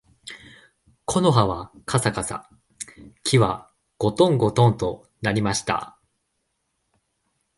木の葉はかさかさ、木はごとんごとんと鳴りました